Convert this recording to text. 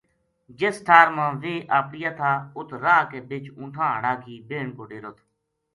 جس ٹھار ما ویہ اَپڑیا تھا اُت راہ کے بِچ اونٹھاں ہاڑا کی بہن کو ڈیرو تھو